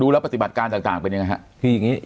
ดูแล้วปฏิบัติการต่างเป็นยังไงฮะ